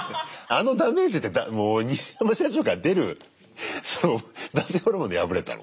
あのダメージってニシヤマ社長から出るその男性ホルモンで破れたの？